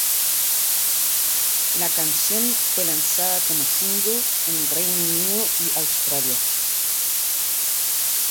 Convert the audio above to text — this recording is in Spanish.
La canción fue lanzada como single en el Reino Unido y Australia.